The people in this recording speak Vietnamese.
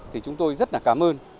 thì chúng tôi rất là cảm ơn